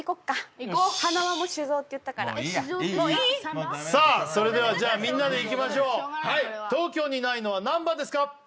いこうはなわも酒蔵って言ったからもういいやいいいいさあそれではじゃあみんなでいきましょうはい東京にないのは何番ですか？